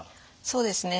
そうですね。